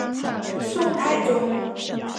宋太宗七世孙。